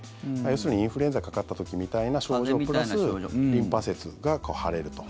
要するにインフルエンザにかかった時みたいな症状プラスリンパ節が腫れると。